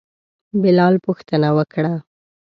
بلال پوښتنه وکړه.